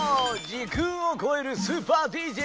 時空をこえるスーパーＤＪ！